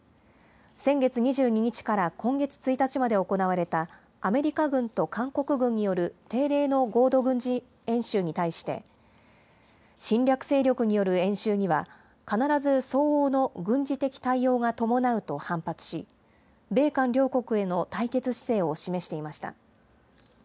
先月２２日から今月１日まで行われた、アメリカ軍と韓国軍による定例の合同軍事演習に対して、侵略勢力による演習には、必ず相応の軍事的対応が伴うと反発し、米韓両国への対決姿勢を示していました。